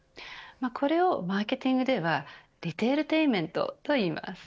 これをマーケティングではリテールテインメントといいます。